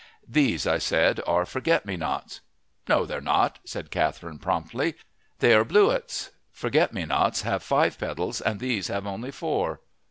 "These," I said, "are forget me nots." "No, they're not," said Catherine promptly. "They are bluettes. Forget me nots have five petals and these have only four."